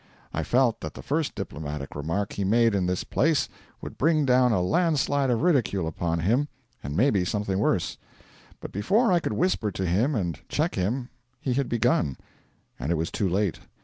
I felt that the first diplomatic remark he made in this place would bring down a landslide of ridicule upon him, and maybe something worse; but before I could whisper to him and check him he had begun, and it was too late.